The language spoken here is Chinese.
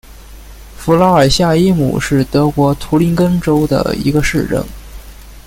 弗拉尔夏伊姆是德国图林根州的一个市镇。